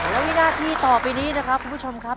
และวินาทีต่อไปนี้นะครับคุณผู้ชมครับ